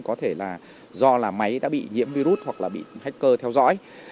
có thể là do là máy đã bị nhiễm virus hoặc là bị hacker theo dõi